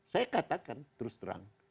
saya katakan terus terang